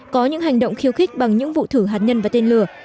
có những hành động khiêu khích bằng những vụ thử hạt nhân và tên lửa